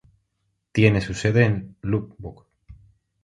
Tiene su sede en Lubbock.